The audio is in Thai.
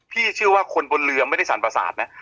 เชื่อว่าคนบนเรือไม่ได้สั่นประสาทนะ